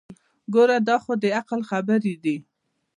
ګوره دا خو دعقل خبرې دي.